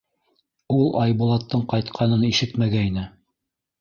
Ул Айбулаттың ҡайтҡанын ишетмәгәйне.